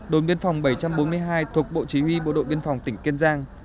đồn biên phòng bảy trăm bốn mươi hai thuộc bộ chỉ huy bộ đội biên phòng tỉnh kiên giang